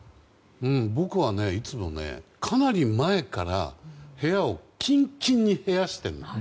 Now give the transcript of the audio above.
僕はいつもかなり前から部屋をキンキンに冷やしている。